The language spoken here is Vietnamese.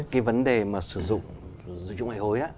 cái vấn đề mà sử dụng dụng hồi hối á